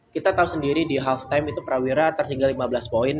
kita tau sendiri di halftime itu prawira tertinggal lima belas poin